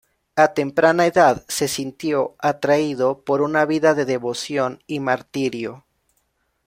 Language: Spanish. A temprana edad se sintió atraído por una vida de devoción y martirio.